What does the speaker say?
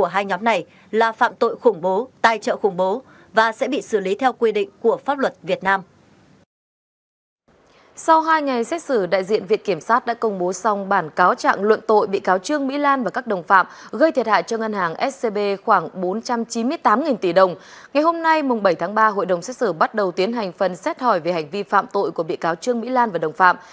hôm nay mùng bảy tháng ba hội đồng xét xử bắt đầu tiến hành phần xét hỏi về hành vi phạm tội của bị cáo trương mỹ lan và đồng phạm